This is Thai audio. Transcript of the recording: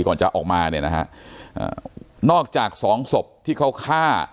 ก่อนจะออกมาเนี่ยนะฮะนอกจากสองศพที่เขาฆ่า